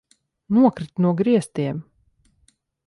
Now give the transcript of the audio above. Nokrita no griestiem!